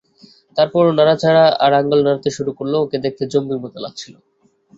তারপর ও নড়াচড়া আর আঙ্গুল নাড়তে শুরু করল, ওকে দেখতে জম্বির মত লাগছিল।